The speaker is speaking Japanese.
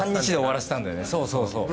そうそうそう。